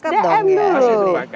sepakat sepakat sdm itu